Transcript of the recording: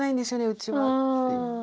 うちはっていう。